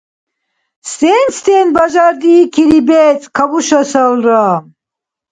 – Сен-сен бажардиикири бецӀ кабушесалра?